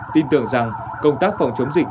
tin tưởng rằng công tác phòng chống dịch